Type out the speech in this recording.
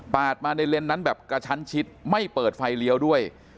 มาในเลนส์นั้นแบบกระชั้นชิดไม่เปิดไฟเลี้ยวด้วย